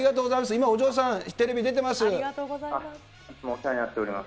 今、お嬢さん、テレビ出てます。